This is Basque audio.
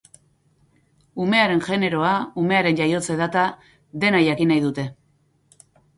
Umearen generoa, umearen jaiotze data, dena jakin nahi dute.